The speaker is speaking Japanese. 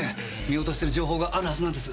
見落としてる情報があるはずなんです。